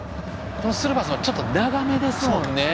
このスルーパスもちょっと長めですもんね。